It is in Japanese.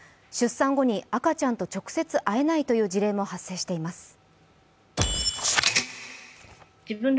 出産後に赤ちゃんと直接会えないという事例も発生しています。